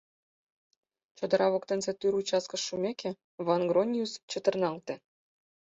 Чодыра воктенсе тӱр участкыш шумеке, Ван-Грониус чытырналте.